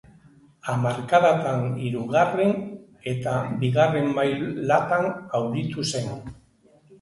Hamarkadatan hirugarren eta bigarren mailatan aritu zen.